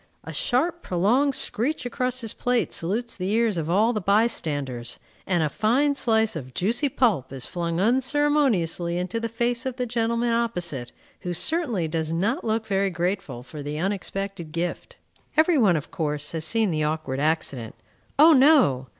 A sharp, prolonged screech across his plate salutes the ears of all the bystanders, and a fine slice of juicy pulp is flung unceremoniously into the face of the gentleman opposite, who certainly does not look very grateful for the unexpected gift. Every one, of course, has seen the awkward accident. O no!